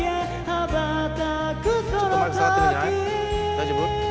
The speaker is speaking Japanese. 大丈夫？